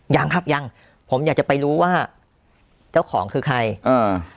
ยังครับยังผมอยากจะไปรู้ว่าเจ้าของคือใครอ่า